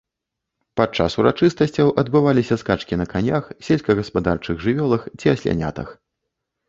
Падчас урачыстасцяў адбываліся скачкі на канях, сельскагаспадарчых жывёлах ці аслянятах.